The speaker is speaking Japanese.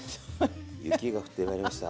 雪が降ってまいりました。